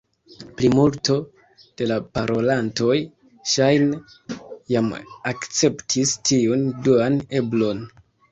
Plimulto de la parolantoj ŝajne jam akceptis tiun duan eblon.